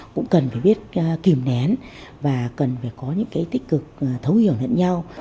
cũng cần phải biết kiểm nén và cần phải có những tích cực thấu hiểu nhận nhau